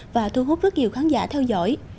và thu hút rất nhiều khán giả theo dõi